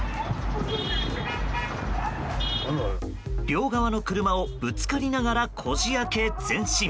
両側の車を、ぶつかりながらこじ開け前進。